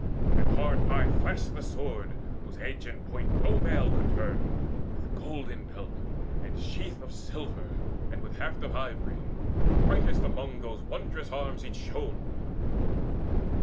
And hard by flashed the sword whose edge and point No mail could turn, with golden belt, and sheath Of silver, and with haft of ivory: Brightest amid those wondrous arms it shone.